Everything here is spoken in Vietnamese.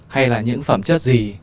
hay là những phẩm chất gì